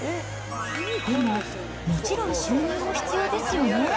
でも、もちろん収入も必要ですよね。